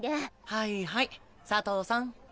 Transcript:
はいはい佐藤さん。